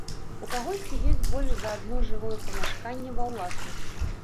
У кагосьці ёсць больш за адно жылое памяшканне ва ўласнасці.